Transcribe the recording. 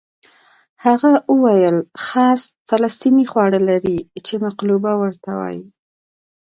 هغه وویل خاص فلسطیني خواړه لري چې مقلوبه ورته وایي.